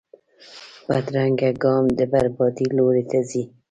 بدرنګه ګام د بربادۍ لور ته ځي